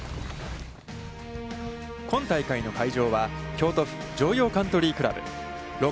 今大会の会場は、京都府・城陽カントリー倶楽部。